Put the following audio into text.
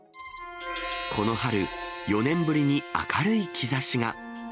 この春、４年ぶりに明るい兆しが。